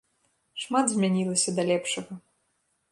Шмат змянілася да лепшага.